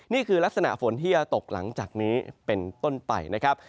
นี่คือลักษณะฝนที่จะตกหลังจากนี้เป็นต้นไปนะครับ